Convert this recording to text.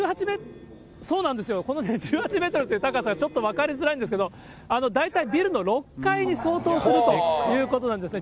そうなんですよ、この１８メートルっていう高さ、ちょっと分かりづらいんですけど、大体ビルの６階に相当するということなんですね。